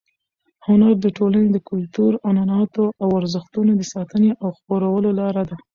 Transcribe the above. هنر د ټولنې د کلتور، عنعناتو او ارزښتونو د ساتنې او خپرولو لار ده.